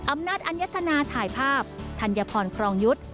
อำนาจอัญญธนาถ่ายภาพธัญพรครองยุทธ์